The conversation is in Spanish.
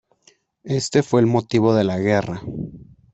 Este fue el motivo de la guerra.